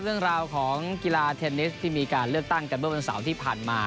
เรื่องราวของกีฬาเทนนิสที่มีการเลือกตั้งกันเมื่อวันเสาร์ที่ผ่านมา